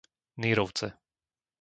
Nýrovce